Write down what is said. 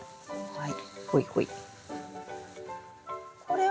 はい。